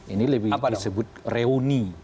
ini lebih disebut reuni